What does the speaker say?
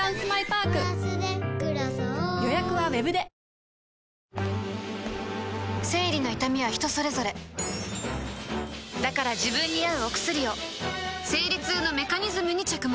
選ぶ日がきたらクリナップ生理の痛みは人それぞれだから自分に合うお薬を生理痛のメカニズムに着目